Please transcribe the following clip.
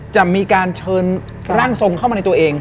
จะมีการเชิญร่างทรงเข้ามาในตัวเอง